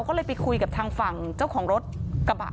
ก็เลยไปคุยกับทางฝั่งเจ้าของรถกระบะ